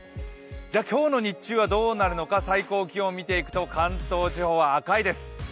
今日の日中はどうなるのか最高気温見ていくと関東地方は赤いです。